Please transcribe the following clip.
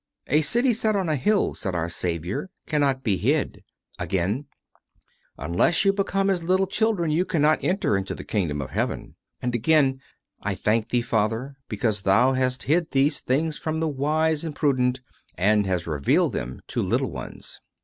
"A city set on a hill," said our Saviour, "cannot be hid." Again: "Unless you ... become as little children, you cannot enter into the kingdom of heaven." And again: "I thank Thee, Father, because Thou hast hid these things from the wise and prudent, and hast revealed them to little ones."